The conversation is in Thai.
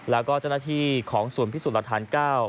แล้วก็เจ้าหน้าที่ของศูนย์พิสูจน์หลักฐาน๙